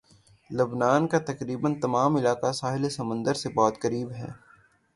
لبنان کا تقریباً تمام علاقہ ساحل سمندر سے بہت قریب ہے